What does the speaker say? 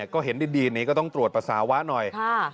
ก็เห็นดีนี้ก็ต้องตรวจปัสสาวะหน่อย